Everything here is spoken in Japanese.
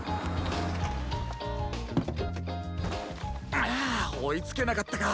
あっおいつけなかったか！